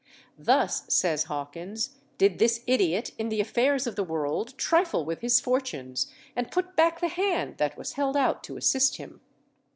"Thus," says Hawkins, "did this idiot in the affairs of the world trifle with his fortunes and put back the hand that was held out to assist him."